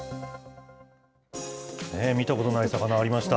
見たことない魚ありました。